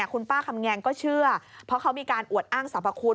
คุณป้าคำแงงก็เชื่อเพราะเขามีการอวดอ้างสรรพคุณ